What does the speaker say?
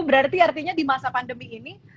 berarti artinya di masa pandemi ini